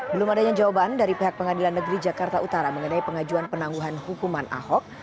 belum adanya jawaban dari pihak pengadilan negeri jakarta utara mengenai pengajuan penangguhan hukuman ahok